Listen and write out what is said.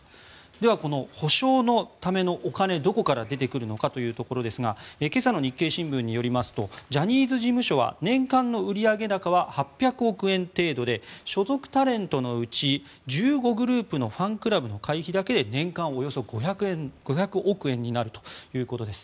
ではこの補償のためのお金どこから出てくるのかというところですが今朝の日経新聞によりますとジャニーズ事務所は年間の売上高は８００億円程度で所属タレントのうち１５グループのファンクラブの会費だけで年間およそ５００億円になるということです。